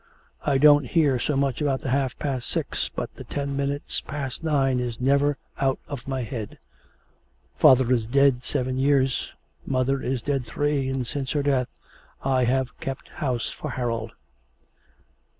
I don't hear so much about the half past six, but the ten minutes past nine is never out of my head. Father is dead seven years, mother is dead three, and since her death I have kept house for Harold.'